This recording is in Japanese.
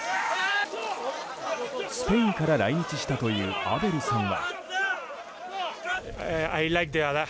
スペインから来日したというアベルさんは。